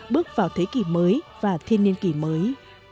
bước vào thế kỷ mới và thiên niên kỷ mới